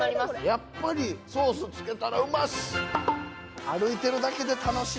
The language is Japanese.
やっぱりソースつけたらうまし。